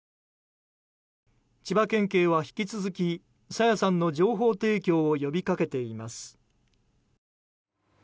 千葉県警は引き続き朝芽さんの情報提供を呼びかけています。